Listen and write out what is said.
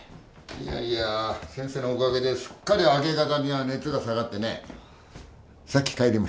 いやいや先生のおかげですっかり明け方には熱が下がってねさっき帰りました。